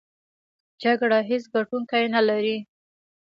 جګړه هېڅ ګټوونکی نلري!